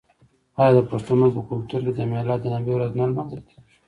آیا د پښتنو په کلتور کې د میلاد النبي ورځ نه لمانځل کیږي؟